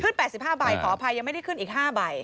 ๘๕ใบขออภัยยังไม่ได้ขึ้นอีก๕ใบ